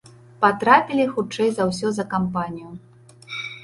Патрапілі хутчэй за ўсе за кампанію.